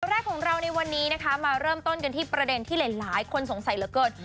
แรกของเราในวันนี้นะคะมาเริ่มต้นกันที่ประเด็นที่หลายคนสงสัยเหลือเกิน